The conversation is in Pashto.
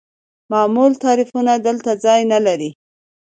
معمول تعریفونه دلته ځای نلري.